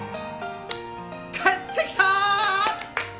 帰ってきたーッ！